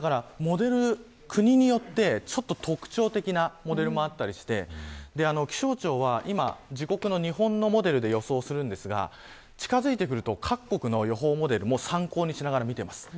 国によって特徴的なモデルもあったりして気象庁は今、自国の日本のモデルで予想するんですが近づいてくると各国の予報モデルを参考にしながら見ています。